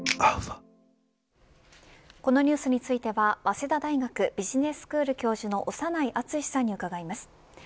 このニュースについては早稲田大学ビジネススクール教授の長内厚さんに伺います。